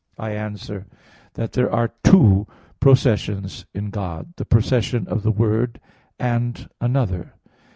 I answer that, There are two processions in God; the procession of the Word, and another.